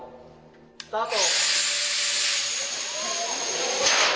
スタート。